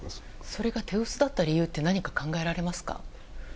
それが手薄だった理由って何か考えられますか？